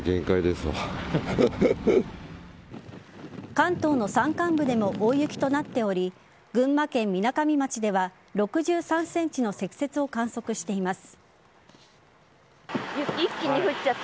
関東の山間部でも大雪となっており群馬県みなかみ町では６３ｃｍの積雪を観測しています。